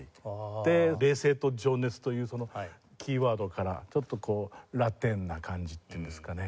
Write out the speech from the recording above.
で「冷静」と「情熱」というキーワードからちょっとこうラテンな感じっていうんですかね。